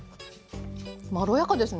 まろやかですね。